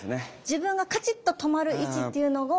自分がカチっと止まる位置っていうのを。